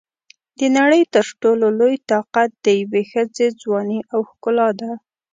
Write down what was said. د نړۍ تر ټولو لوی طاقت د یوې ښځې ځواني او ښکلا ده.